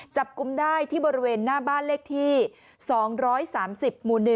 กุมได้ที่บริเวณหน้าบ้านเลขที่๒๓๐หมู่๑